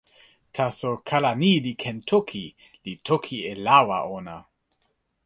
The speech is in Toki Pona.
taso, kala ni li ken toki, li toki e lawa ona.